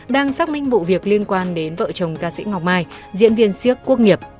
đang xác minh vụ việc liên quan đến vợ chồng ca sĩ ngọc mai diễn viên siếc quốc nghiệp